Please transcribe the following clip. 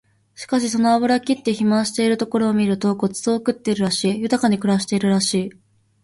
しかしその脂ぎって肥満しているところを見ると御馳走を食ってるらしい、豊かに暮らしているらしい